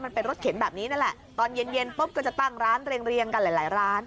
มันเป็นรถเข็นแบบนี้นั่นแหละ